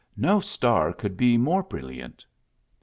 no star could be more brilliant